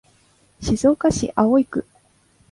静岡市葵区